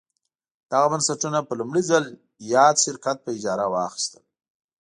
دغه بنسټونه په لومړي ځل یاد شرکت په اجاره واخیستل.